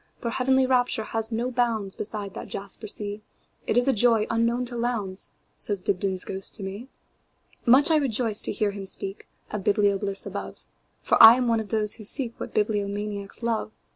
Their heavenly rapture has no boundsBeside that jasper sea; It is a joy unknown to Lowndes,"Says Dibdin's ghost to me. Much I rejoiced to hear him speakOf biblio bliss above, For I am one of those who seekWhat bibliomaniacs love.